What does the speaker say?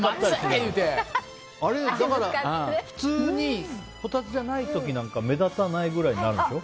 普通に、こたつじゃない時なんか目立たないぐらいになるんでしょ。